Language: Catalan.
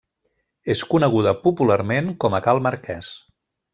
És coneguda popularment com a Cal Marquès.